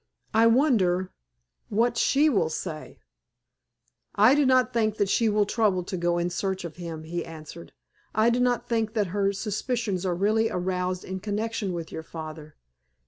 I wonder what she will say?" "I do not think that she will trouble to go in search of him," he answered. "I do not think that her suspicions are really aroused in connection with your father.